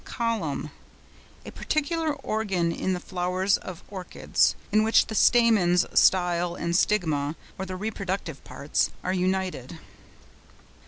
COLUMN.—A peculiar organ in the flowers of Orchids, in which the stamens, style and stigma (or the reproductive parts) are united.